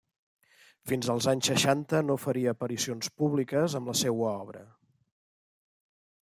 Fins als anys seixanta no faria aparicions públiques amb la seua obra.